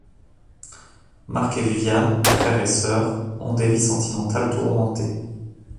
Marc et Viviane, frère et sœur, ont des vies sentimentales tourmentées.